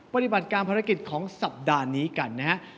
ปฏิบัติการภารกิจของสัปดาห์นี้กันนะฮะ